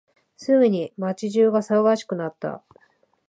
すぐに街中は騒がしくなった。